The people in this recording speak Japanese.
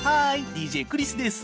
ＤＪクリスです。